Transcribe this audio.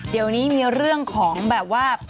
เดี๋ยวนี้มีเรื่องของแบบว่า